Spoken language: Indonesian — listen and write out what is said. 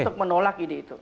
untuk menolak ide itu